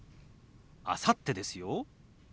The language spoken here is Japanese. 「あさって」ですよ。